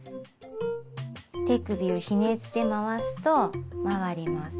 手首をひねって回すと回ります。